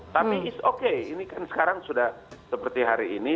tapi is okay ini kan sekarang sudah seperti hari ini